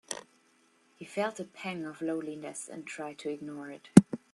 He felt a pang of loneliness and tried to ignore it.